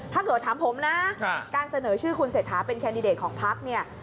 ถ้าเกิดถามผมนะการเสนอชื่อคุณเศรษฐาเป็นแคนดิเดตของพักเนี่ย